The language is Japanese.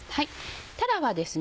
たらはですね